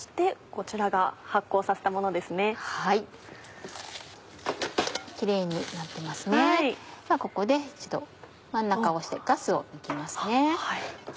ここで真ん中を押してガスを抜きますね。